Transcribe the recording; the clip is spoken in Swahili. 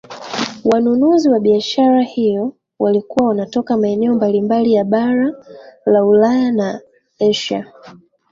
Wanunuzi wa biashara hiyo walikuwa wanatoka maeneo mbalimbali ya bara la ulaya na asia